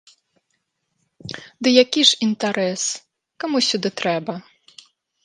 Дык які ж інтэрас, каму сюды трэба?